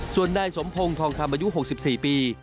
ส่วนนายสมพงศ์ทองคำอายุ๖๔ปี